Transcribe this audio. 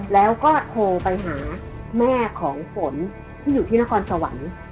แล้วก็โทรไปหาแม่ของฝนที่อยู่ที่นครสวรรค์